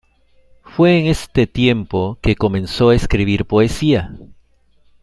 Fue en este tiempo que comenzó a escribir poesía.